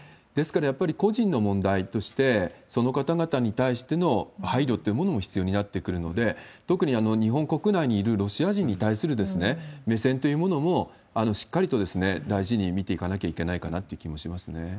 ですからやっぱり個人の問題として、その方々に対しての配慮っていうものも必要になってくるので、特に日本国内にいるロシア人に対する目線というものも、しっかりと大事に見ていかなきゃいけないかなという気もしますね。